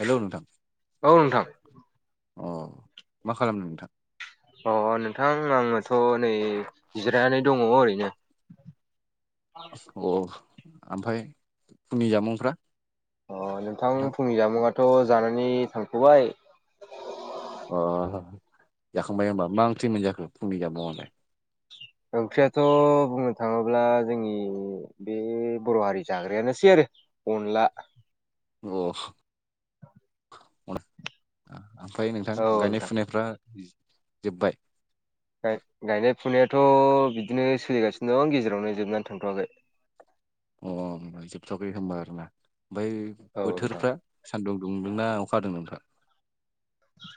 Hello नोंथां औ नोंथां अ मा खालामदो नोंथां अ नोंथां आङोथ' नै जिरायनानै दङ ओरैनो अ आमफाय फुंनि जामुंफ्रा अ नोंथां फुंनि जामुंआथ' जानानै थांफ'बाय अ जाखांबाय होनोमबा मा ओंख्रि मोनजाखो फुंनि जामुंआवलाय ओंख्रियाथ' बुंनो थाङोब्ला जोंनि बे बर' हारि जाग्रायानोसै आरो अनला अ ओमफफ्राय नोंथां औ गायनाय फुनायफ्रा जोब्बाय गायनाय फुनायाथ' बिदिनो सोलिगासिनो दं गेजेरावनो जोबनानै थांथ'वाखै अ जोबथ'बाय होनबाय आरोना ओमफ्राय औ नोंथां बोथोरफ्रा सान्दुं दुंदोंना अखा हादों नोंथां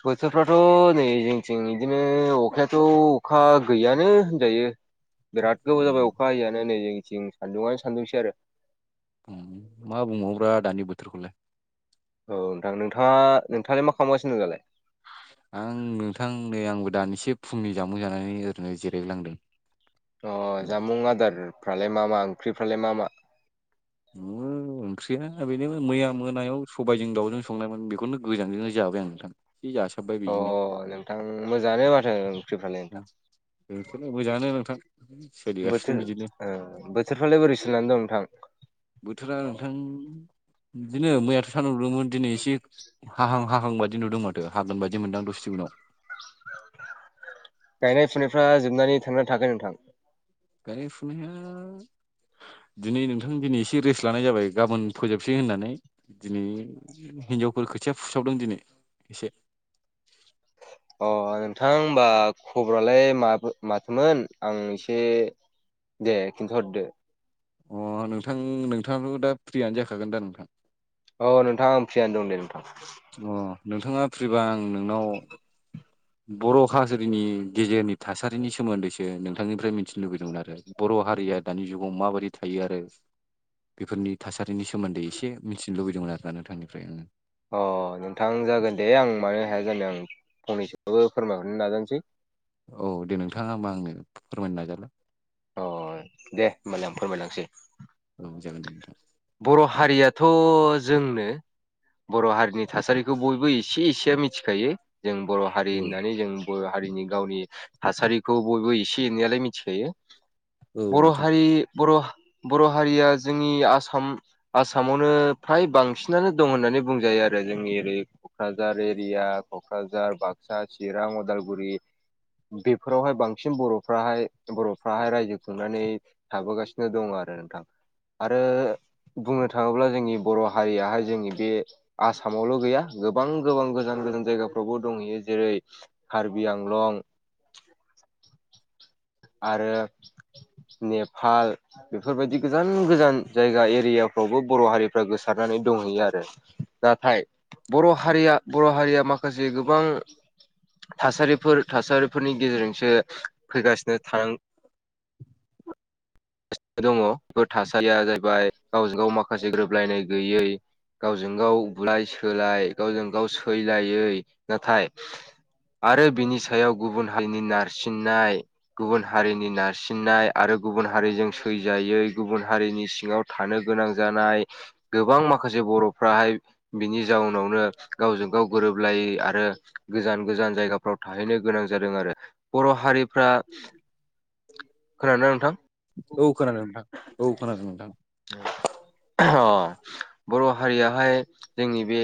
बोथोरफ्राथ' नै जिंथिं बिदिनो अखायाथ' अखा गैयानो होनजायो। [inaudible] बिराद गोबाव जाबाय अखा हियानो नै जोंथिं सान्दुङनो सानदुंसै आरो मा बुंबावोब्रा दानि बोथोरखौलाय औ नोंथां नोंथाङा नोंथाङालाय मा खालामगासिनो दों दालाय? आं नोंथां नै आंबो दानिसे फुंनि जामुं जानानै ओरैनो जिरायलांदों। अ जामुं आदारफ्रालाय मा मा ओंख्रिफ्रालाय मा मा?? उम-' ओंख्रिया बेनो मैया मोनायाव सबायजों दाउजों संनायमोन बेखौनो गोजांजोंनो जाबाय आं नोंथां। जि जासोबबाय-' अ नोंथां मोजाङानो माथो ओंख्रिफ्रालाय नोंथां। जोंथ' मोजाङानो नोंथां सोलिगासिनों बिदिनो [unintelligible] बिसोरफ्रालाय बोरै सोन दं नोंथां। बोथोरा नोंथां बिदिनो मैयाथ' सानदुं दुदोंमोन दिनै एसे हाहां हाहां बायदि नुदों माथो हागोन बायदि मोनदां दसे उनाव गायनाय फुनायफ्रा जोबनानै थांना थागोन नोंथां? गारि फनायहा दिनै नोंथां दिनै एसे रेस्ट लानाय जाबाय गाबोन फोजोबसै होननानै दिनै हिनजावफोर खोथिया फुसावदों दिनै एसे अ नोंथां होनबा खबरालाय म माथोमोन आं एसे दे खिथु हरद अ नोंथां नोंथाङाथ' दा फ्रियानो जाखागोन दा नोंथां? औ नोंथांा आं फियानो दं दे नोंथां। अ नोंथाङा फ्रिबा आं नोंनाव बर' हाजारिनि गेजेरनि थासारिनि सोमोन्दैसो नोंथांनिफ्राय मिथिनो लुुबैदोंमोन आरो। बर' हारिया दानि जुगाव माबायदि थायो आरो। बेफोरनि थासारिनि सोमोन्दै एसे मिथिनो लुबैदोंमोन आरोना नोंथांनिफ्राय आङो अ नोंथां जागोन दे आं मानो हाया जानो आं फंनैसोबाबबो फोरमायहरनो नाजानोसै औ दे नोंथाङा हबा आंनो फोरमायनो नाजालााय। अ दे होनोमबालाय आं फोरमायलांसै औ जागोन दे नोंथां। बर' हारियाथ' जोंनो बर' हारिनि थासारिखौ बेखौ बयबो एसे एसेया मिथिखायो जों बर' हारि औ होननानै जों हारिनि गावनि थासारिखौ बयबो एसे एनैलाय मिथिखायो। औ बर नोंथां हारि बर' हारिया जोंनि आसाम आसाम आसामावनो फ्राय बांसिनानो दं होननानै बुंजायो आरो जोंनि ओरै क'क्राझार एरिया क'क्राझार बाक्सा चिरां अदालगुरि बेफोरावहाय बांसिन बर'फ्राहाय बर'फ्राहाय रायजो खुंनानै थाबोगासिनो दङ आरो नोंथां आरो। बुंनो थाङोब्ला जोंनि बर' हारियाहाय जोंनि बे आसामावल' गैया गोबां गोबां गोजान गोजान जायगाफ्रावबो दंहैयो जेरै कार्बि आंलं आरो नेपाल बेफोरबायदि गोजान गोजान जायगा एरियाफ्रावबो बर' हारिफ्रा गोसारनानै दंहैयो आरो नाथाय बर' हारिया बर' हारिया माखासे गोबां थासारिफोर थासारि फोरनि गेजेरजोंसो फैगासिनो थां [inaudible] दङ बे थासारिया जाहैबाय गावजों गाव माखासे गोरोबलायनाय गैयै गावजों गाव बुलाय सोलाय गावजों गाव सैलायै नाथाय आरो बिनि सायाव गुबुन हारिनि नारसिननाय गुबुन हारिनि नारसिननाय आरो गुबुन हारिजों सैजायै गुबुन हारिनि सिङाव थानो गोनां जानाय गोबां माखासे बर'फ्राहाय बिनि जाउनावनो गावजों गाव गोरोबलायै आरो गोजान गोजान जायगाफ्राव थाहैनो गोनां जादों आरो बर' हारिफ्रा खोनादोंना नोंथां औ खोनादों नोंथां औ खोनादों नोंथां अ 'बर' हारियाहाय जोंनि बे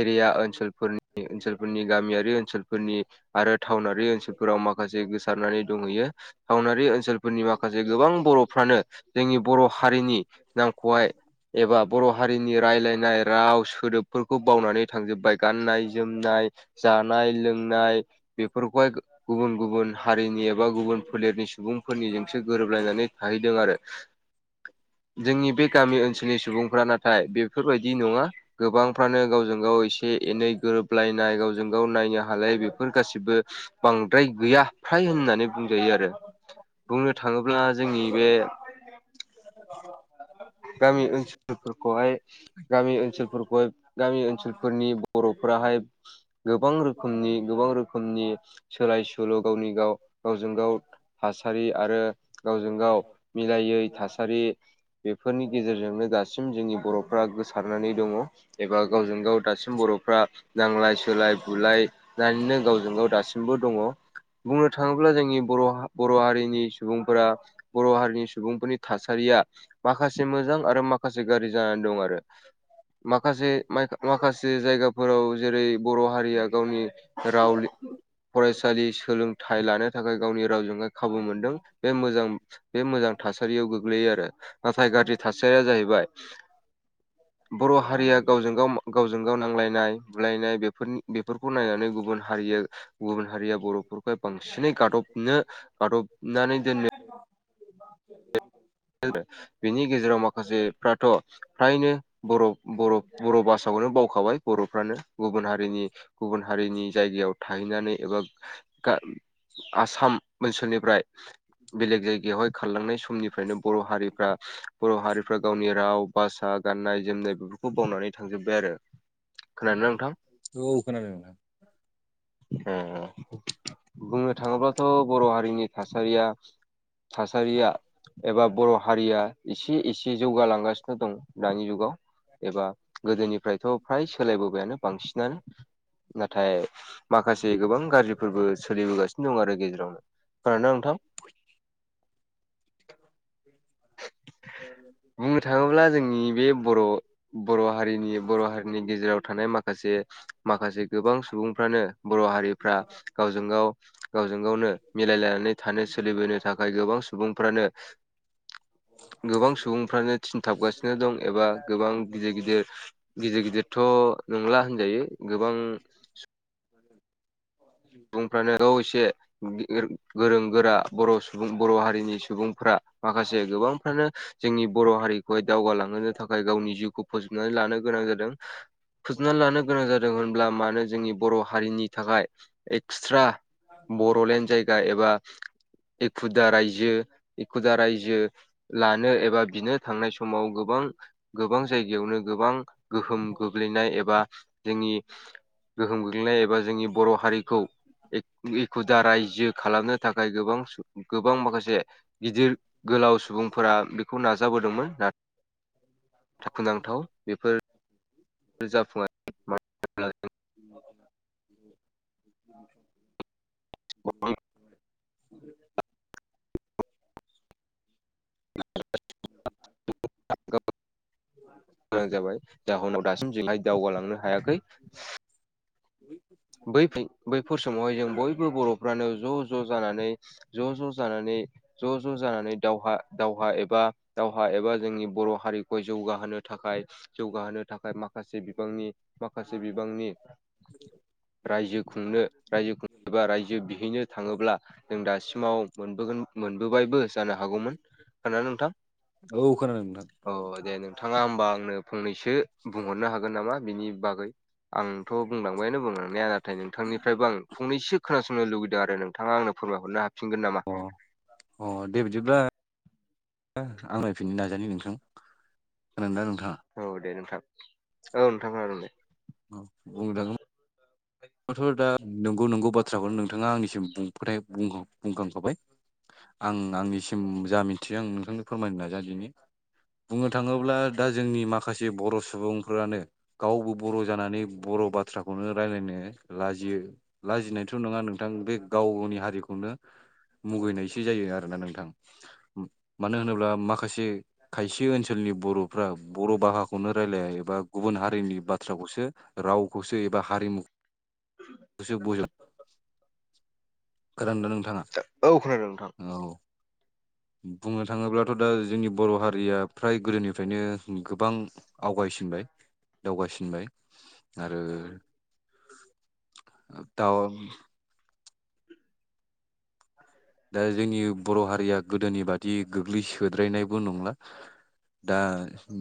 एरिया ओनसोलफोरनि ओनसोलफोरनि गामियारि ओनसोलफोरनि आरो टाउनारि ओनसोलफोराव माखासे गोसारनानै दंहैयो टावनारि ओनसोलफोरनि माखासे गोबां बर'फ्रानो जोंनि बर' हारिनि [unintelligible] एबा बर' हारिनि रायलायनाय राव सोदोबफोरखौ बावनानै थांजोब्बाय गाननाय जोमनाय जानाय लोंनाय बेफोरखौहाय गुबुन गुबुन हारिनि बा गुबुन फोलेरनि सुबुंफोरनि जोंसो गोरोबलायनानै थाहैदों आरो। जोंनि बे गामि ओनसोलनि सुबुंफ्रा नाथाय बे फोरबायदि नङा गोबांफ्रानो गावजों गाव एसे एनै गोरोबलायनाय गावजों गाव नायनो हालाय बेफोर गासिबो बांद्राय गैया फ्राय होननानै बुंजायो आरो। बुंनो थाङोब्ला जोंनि बे [inaudible] गामि ओनसोलफोरखौहाय गामि ओनसोलफोरखौहाय गामि ओनसोलफोरनि बर'फोराहाय गोबां रोखोमनि गोबां रोखोमनि सोलाय सोल' गावनि गाव गावजों गाव थासारि आरो गावजों गाव मिलायै थासारि बेफोरनि गेजेरजोंनो दासिम जोंनि बर'फ्रा गोसारनानै दङ एबा गावजों गाव दासिम बर'फ्रा नांलाय सोलाय बुलाय जायनि गावजों गाव दासिमबो दङ बुंनो थाङोब्ला जोंनि बर' बर' हारिनि सुबुंफोरा बर' हारिनि सुबुंफोरनि थासारिया माखासे मोजां आरो माखासे गाज्रि जानानै दं आरो माखासे माखासे जायगाफोराव जेरै बर' हारिया गावनि राव लि फरायसालि सोलोंथाइ लानो थाखाय गावनि रावजों खाबु मोनदों बे मोजां बे मोजां थासारियाव गोग्लैयो आरो। नाथाय गाज्रि थासारिया जाहैबाय बर' हारिया गावजों गाव गावजों गाव नांलायनाय बुलायनाय बेफोर-बेफोरखौ नायनानै गुबुन हारिया गुबुन हारिया बर'फोरखौ बांसिनै गादबनो गादबनानै दोननो [inaudible] बिनि गेजेराव माखासेफ्राथ' फ्रायनो बर'-बर'-बर' भासाखौनो बावखाबाय बर'फ्रानो गुबुन हारिनि गुबुन हारिनि जायगायाव थाहैनानै एबा गा आसाम ओनसोलनिफ्राय बेलेग जायगायावहाय खारलांनाय समनिफ्रायनो बर' हारिफ्रा बर' हारिफ्रा गावनि राव भासा गाननाय जोमनाय बेफोरखौ बावनानै थांजोब्बाय आरो। खोनादोंना नोंथां औ खोनादों नोंथां अम अम बुंनो थाङोब्लाथ' बर' हारिनि थासारिया थासारिया एबा बर' हारिया एसे एसे जौगालांगासिनो दं दानि जुगाव एबा गोदोनिफ्रायथ' फ्राय सोलायबोबायानो बांसिनानो नाथाय माखासे गोबां गाज्रिफोरबो सोलिबोगासिनो दं आरो गेजेरावनो खोना नोंथां [inaudible] बुंनो थाङोब्ला जोंनि बे बर' बर' हारिनि बर' हा नि गेजेराव थानाय माखासे माखासे गोबां सुबुंफ्रानो बर' हारिफ्रा गावजों गाव गावजों गावनो मिलायलायनानै थानो सोलिबोनो थाखाय गोबां सुबुंफ्रानो गोबां सुबुंफ्रानो थिनथाबगासिनो दं एबा गोबां गिदिर गिदिर गिदिर गिदिर थ' नंला होनजायो गोबां [inaudible] बुंफ्रानो गाव एसे गोरों गोरा बर' सुबुं बर' हारिनि सुबुंफ माखासे गोबांफ्रानो जोंनि बर' हारिखौहाय दावगाालांहोनो थाखाय गावनि जिउखौ फोजोबनानै लानो गोनां जादों। फोजोबना लानो गोनां जादों होनब्ला मानो जोंनि बर' हारिनि थाखाय एक्सट्रा बरड'लेण्ड जायगा एबा एखु दा रायजो एखु दा रायजो लानो एबा बिनो थांनाय समाव गोबां गोबां जायगायावनो गोबां गोहोम गोग्लैनाय एबा जोंनि गोहोम गोग्लैनाय एबा जोंनि बर' हारि एकु दा रायजो खालामनो थाखाय गोबां गोबां माखासे गिदिर गोलाव सुबुंफोरा बेखौ नाजाबोदोंमोन। थाखुनांथाव बेफोर [unintelligible] [unintelligible] [unintelligible] [inaudible] [unintelligible] मोां जाबाय जाहनाव दासिम जोंहाय दावगालांनो हायाखै। [unintelligible] बै बैफोर समावहाय जों बयबो बर'फ्रानो ज' ज' जानानै ज' ज' जानानै ज' ज' जानानै दावहा दावहा एबा दावहा एबा जोंनि बर' हारिखौ जौगाहोनो थाखाय जौगाहोनो थाखाय माखासे बिबांनि माखासे बिबांनि [inaudible] रायजो खुंनो राय खुंनो एबा रायजो बिहैनो थाङोब्ला जों दासिमाव मोनबोगोन मोनबोबायबो जानो हागौमोन खोना नोंथां औखोनानो मोनथां अ दे नोंथाङा होमबा आंनो फंनैसो बुंहरनो हागोन नामा बिनि बागै आंथ' बुंलांबायानो बुं नाया नाथाय नोंथांनिफ्रायबो आं फंनैसोोनासंनो लुगैदों आरो नोंथाङा आंनो फोरमायहरनो हाफिनगोन नामा? अ अ दे बिदिब्ला आं नायफिननो नाजानि नोंथां खोनादों ना नोंथाङा? औ दे नोंथां औ नोंथां आरो दे औ बुंजागोन [unintelligible] दा नंगौ नंगौ बाथ्राखौनो नोंथाङा आंनिसिम फ्राय बुंखां बुंखांखाबाय। आं आंनिसिम जा मिथियो आं नोंथांनो फोरमायनो नाजा दिनि। बुंनो थाङोब्ला दा जोंनि माखासे बर' सुबुंफोरानो गावबो बर' जानानै बर' बाथ्राखौनो रायजलायनो लाजियो लाजिनायथ' नङा नोंथां बे गाव गावनि हारिखौनो मुगैनायसो जायो आरोना नोंथां मानो होनोब्ला माखासे खायसे ओनसोलनि बर'फ्रा बर' भाखौनो रायलाया एबा गुबुन हारिनि बाथ्राखौसो रावखौसो एबा हारिमु गोसो बहायला खोनादोंना नोंथाङा औ खोनादों नोंथां? औ बुंनो थाङोब्लाथ' दा जोंनि बर' हारिया फ्राय गोदोनिफ्रायनो गोबां आवगायसिनबाय दावगासिनबाय आरो दा दा जोंनि बर' हारिया गोदोनि बादि गोग्लैसोद्रायनायबो नंला दा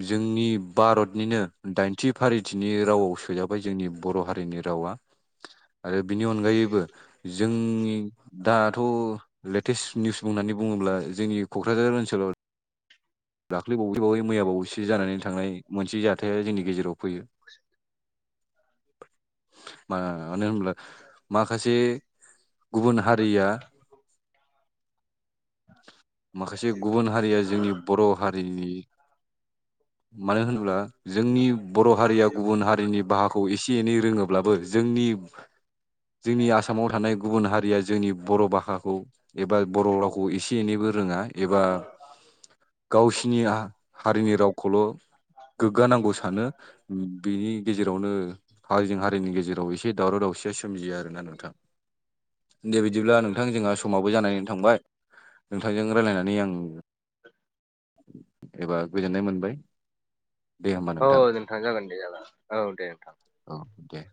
जोंनि भारतनिनो दाइनथि फारिथिनि रावाव सोजाबाय जोंनि बर' हारिनि रावा आरो बिनि अनगायैबो जोंनि दाथ' लेटेस्ट निउस बुंनानै बुङोब्ला जोंनि क'क्राझार ओनसोलाव दाख्लैबावसो बावै मैया बावैसो जानानै थांनाय मोनसे जाथाया जोंनि गेजेराव फैयो मानो होनब्ला माखासे गुबुन हारिया माखासे गुबुन हारिया जोंनि बर' हारिनि मानो होनोब्ला जोंनि बर' हारिया गुबुन हारि हारिनि बाहाखौ एसे एनै रोङोब्लाबो जोंनि जोंनि आसामाव थानाय गुबुन हारिया जोंनि बर' भाषाखौ एबा बर' रावखौ खौ एसे एनैबो रोङा एबा गावसिनि हारिनि रावखौल' गोग्गानांगौ सानो बिनि गेजेरावनो हारिजों हारिनि गेजेराव एसे दावराव दावसियास सोमजियो आरोना नोंथां दे बिदिब्ला नोंथां जोंहा समाबबो जानानैनो थांबाय नोंथांजों रायजलायनानै आं एबा गोजोननाय मोनबाय दे होमबा औ नोंथां जागोन दे जागोन औ दे नोंथां औ दे